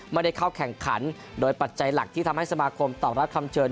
ไม่ได้เข้าแข่งขันโดยปัจจัยหลักที่ทำให้สมาคมตอบรับคำเชิญ